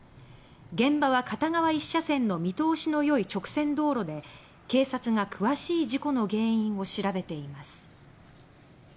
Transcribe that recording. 現場は、片側１車線の見通しのいい直線道路で警察が詳しい事故の原因を調べています。